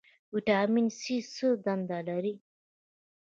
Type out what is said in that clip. ویټامین سي څه دنده لري؟